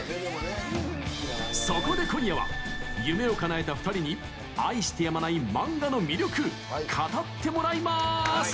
そこで、今夜は夢をかなえた２人に愛してやまないマンガの魅力語ってもらいます！